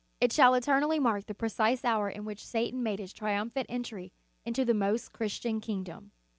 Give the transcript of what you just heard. It shall eternally mark the precise hour in which Satan made his triumphant entry into the most Christian kingdom.